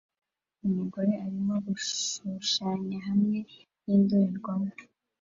Umugore arimo gushushanya hamwe n'indorerwamo